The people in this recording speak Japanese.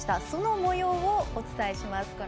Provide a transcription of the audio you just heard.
そのもようをお伝えします。